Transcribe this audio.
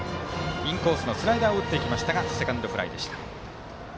インコースのスライダーを打ってセカンドフライでした。